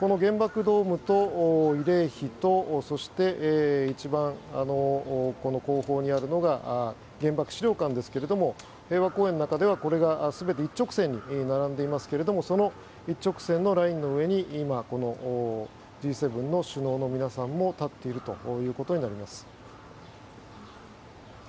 この原爆ドームと慰霊碑とそして一番後方にあるのが原爆資料館なんですが平和公園の中では、これが全て一直線に並んでいますけれどもその一直線のラインの上に今、Ｇ７の首脳の皆さんも立っていることになります。